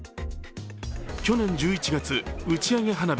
去年１１月、打ち上げ花火